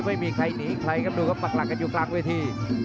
ไม่มีใครหนีใครก็ดูกับปากหลักกันอยู่ข้างเวที